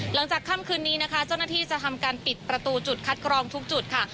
หลังจากค่ำคืนนี้นะคะเจ้าหน้าที่จะทำการปิดประตูจุดคัดกรองทุกจุดค่ะ